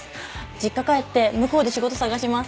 実家帰って向こうで仕事探します。